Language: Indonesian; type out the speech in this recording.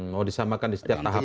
mau disamakan di setiap tahapan